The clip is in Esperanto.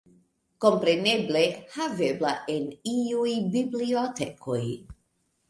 Kompreneble havebla en iuj bibliotekoj.